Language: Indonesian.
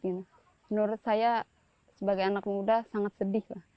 menurut saya sebagai anak muda sangat sedih lah